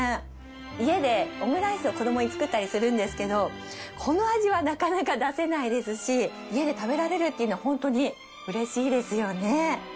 家でオムライスを子供に作ったりするんですけどこの味はなかなか出せないですし家で食べられるっていうのはホントにうれしいですよね。